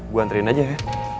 gue anterin aja ya